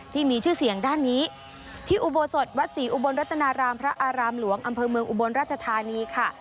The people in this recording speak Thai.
ที่มีชื่อเสียงด้านนี้ที่อุโบสถวัดศรีอุบลรัตนารามพระอารามหลวงอำเภอเมืองอุบลราชธานีค่ะ